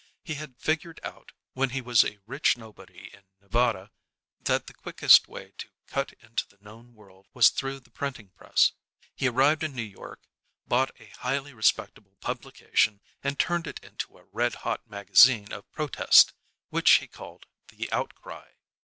He had figured out, when he was a rich nobody in Nevada, that the quickest way to cut into the known world was through the printing press. He arrived in New York, bought a highly respectable publication, and turned it into a red hot magazine of protest, which he called "The Outcry."